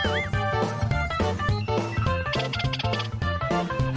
ตามไปดูกันว่าเขามีการแข่งขันอะไรที่เป็นไฮไลท์ที่น่าสนใจกันค่ะ